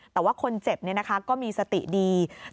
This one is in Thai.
แต่ว่าคนเจ็บก็มีสติดี